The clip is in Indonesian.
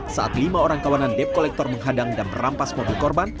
saat lima orang kawanan debt collector menghadang dan merampas mobil korban